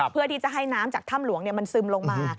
เพื่อที่จะให้น้ำจากถ้ำหลวงมันซึมลงมา